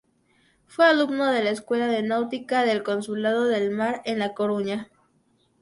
Fue alumno de la Escuela de Náutica del Consulado del Mar en La Coruña.